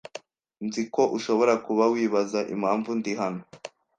Nzi ko ushobora kuba wibaza impamvu ndi hano.